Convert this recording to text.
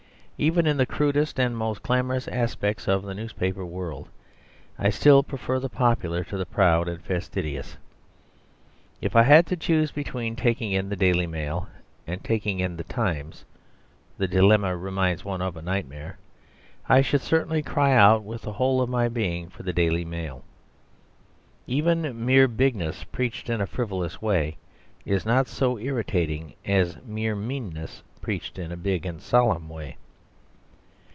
Even in the crudest and most clamorous aspects of the newspaper world I still prefer the popular to the proud and fastidious. If I had to choose between taking in the DAILY MAIL and taking in the TIMES (the dilemma reminds one of a nightmare), I should certainly cry out with the whole of my being for the DAILY MAIL. Even mere bigness preached in a frivolous way is not so irritating as mere meanness preached in a big and solemn way.